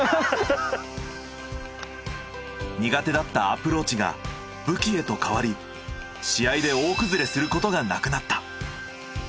苦手だったアプローチが武器へと変わり試合で大崩れすることがなくなった。